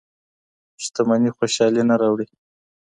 شتمني خوشحالي نه راوړي.